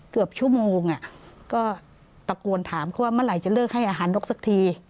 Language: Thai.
เกือบชั่วโมงก็ตะโกนถามเขาว่าเมื่อไหร่จะเลิกให้อาหารนกสักที